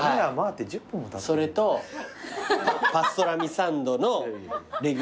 それとパストラミサンドのレギュラーにします。